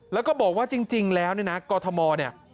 แล้วก็บอกว่าจริงแล้วเนี่ยนะกรทมเนี่ย